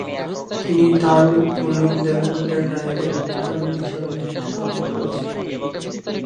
তিনি দারুল উলুম দেওবন্দের নায়েবে মুহতামিম হিসেবে দায়িত্ব পালন করেছিলেন।